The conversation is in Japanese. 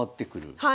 はい。